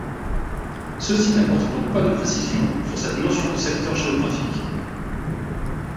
Ceci n’apporte donc pas de précisions sur cette notion de secteur géographique.